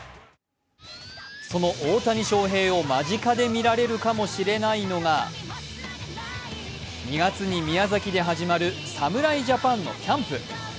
その大谷翔平を間近で見られるかもしれないのが２月に宮崎で始まる侍ジャパンのキャンプ。